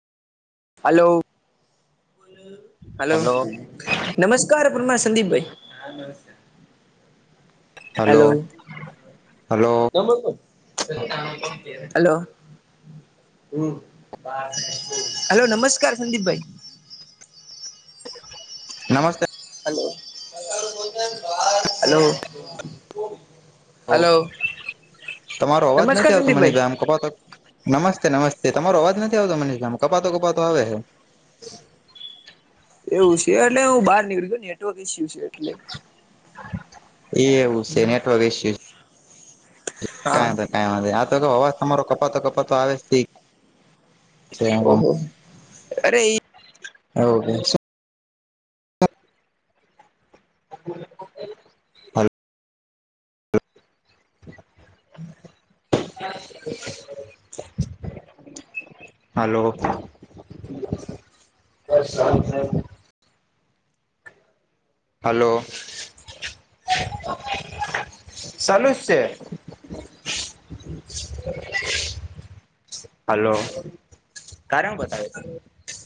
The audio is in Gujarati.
હલો હલો નમસ્કાર પરમા સંદિપભાઈ હલો હલો [unintelligible] હલો [unintelligible] હેલો નમસ્કાર સંદીપભાઈ [inaudible] નમસ્તે હલો, [unintelligible] હલો ઓ તમારો અવાજ નમસ્કાર નથી આવતો મને સંદીપભાઈ જો આમ કપાતો નમસ્તે, નમસ્તે તમારો અવાજ નથી આવતો મને કપાતો કપાતો આવે છે. એવું છે, એટલે હું બહાર નીકળી નેટવર્ક ઇસ્યુ છે. એટલે એવું છે, નેટવકૅ ઈસ્યું છે. હા કાંઈ વાંધો નહીં કાઈ વાંધો નહીં કે આતો કે અવાજ તમારો કપાતો કપાતો આવે ઓહો અરે એ [unintelligible] બ [inaudible] હ [inaudible] હલો [unintelligible] હલો, [unintelligible] ચાલુ છે, [inaudible] હલો [unintelligible] ક્યારણ બતાવે